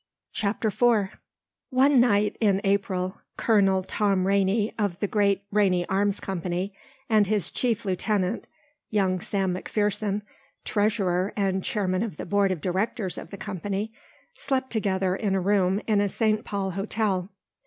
CHAPTER IV One night in April Colonel Tom Rainey of the great Rainey Arms Company and his chief lieutenant, young Sam McPherson, treasurer and chairman of the board of directors of the company, slept together in a room in a St. Paul hotel.